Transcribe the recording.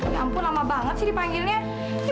ya ampun lama banget sih dipanggilnya